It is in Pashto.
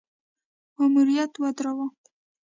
ماموریت ودراوه.